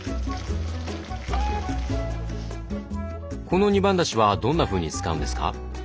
この二番だしはどんなふうに使うんですか？